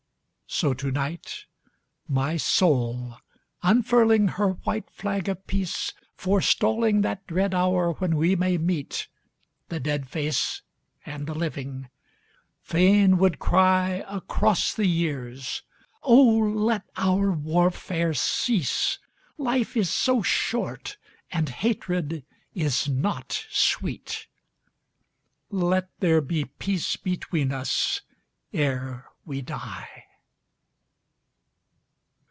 So to night, My soul, unfurling her white flag of peace, Forestalling that dread hour when we may meet, â The dead face and the living, â fain would cry, Across the years, " Oh, let our warfare cease ! Life is so short, and hatred is not sweet : Let there be peace between us ere we die